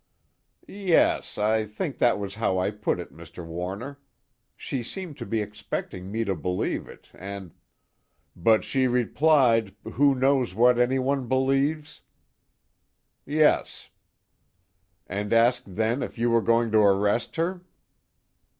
"Yes, I think that was how I put it, Mr. Warner. She seemed to be expecting me to believe it, and " "But she replied: 'Who knows what anyone believes?'" "Yes." "And asked then if you were going to arrest her?"